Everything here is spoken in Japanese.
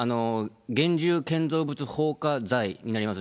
現住建造物放火罪になります。